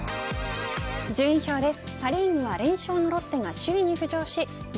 順位表です。